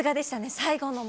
最後のも。